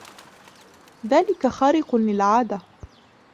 ذلك خارق للعادة.